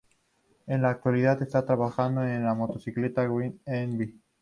En la actualidad está trabajando en la motocicleta Green Envy.